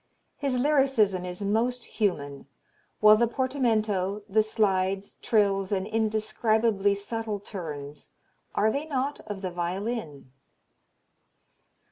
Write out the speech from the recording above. His lyricism is most human, while the portamento, the slides, trills and indescribably subtle turns are they not of the violin?